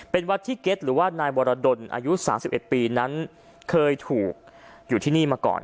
เป็นวัดที่เก็ตหรือว่านายวรดลอายุ๓๑ปีนั้นเคยถูกอยู่ที่นี่มาก่อน